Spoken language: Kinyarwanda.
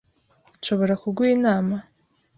Nshobora kuguha inama?